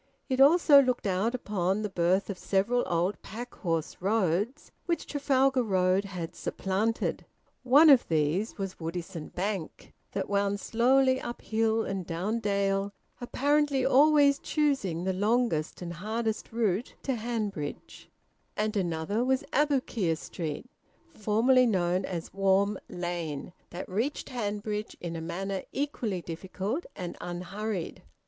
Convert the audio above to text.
It also looked out upon the birth of several old pack horse roads which Trafalgar Road had supplanted. One of these was Woodisun Bank, that wound slowly up hill and down dale, apparently always choosing the longest and hardest route, to Hanbridge; and another was Aboukir Street, formerly known as Warm Lane, that reached Hanbridge in a manner equally difficult and unhurried.